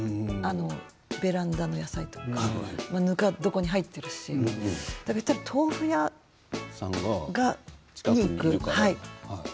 ベランダの野菜とかぬか床に入っているし豆腐屋さんに行く感じですね。